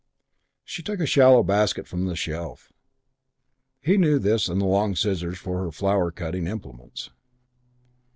She took a shallow basket from the shelf. He knew this and the long scissors for her flower cutting implements.